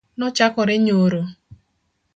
Nochakore nyoro.